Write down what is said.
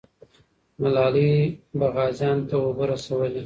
ملالۍ به غازیانو ته اوبه رسولې.